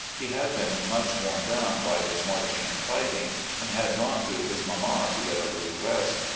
He had been much worn down by his marching and fighting, and had gone to his mamma to get a little rest.